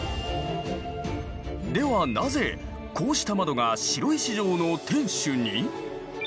ではなぜこうした窓が白石城の天守に？